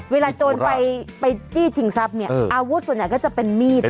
โจรไปจี้ชิงทรัพย์เนี่ยอาวุธส่วนใหญ่ก็จะเป็นมีด